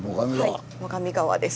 はい最上川です。